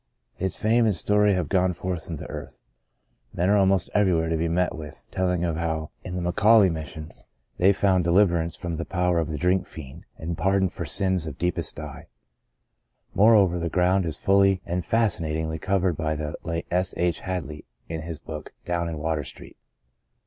Its fame and story have gone forth in the earth. Men are almost everywhere to be met with, telling of how in the McAuley 15 l6 The Greatest of These Mission they found deHverance from the power of the Drink Fiend and pardon for sias of deepest dye. Moreover, the ground is fully and fascinatingly covered by the late S. H. Hadley in his book, Down in Water Street."